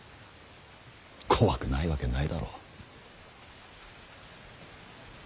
怖くないわけないだろう。